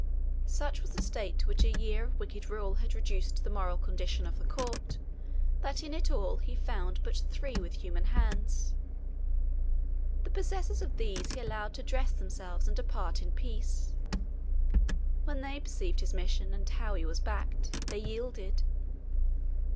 Such was the state to which a year of wicked rule had reduced the moral condition of the court, that in it all he found but three with human hands. The possessors of these he allowed to dress themselves and depart in peace. When they perceived his mission, and how he was backed, they yielded.